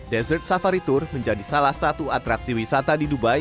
dessert safari tour menjadi salah satu atraksi wisata di dubai